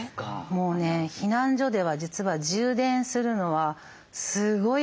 もうね避難所では実は充電するのはすごい争いになるんですよ。